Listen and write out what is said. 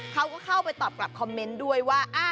เขาก็เข้าไปตอบกลับคอมเมนต์ด้วยว่า